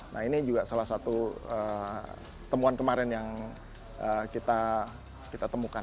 nah ini juga salah satu temuan kemarin yang kita temukan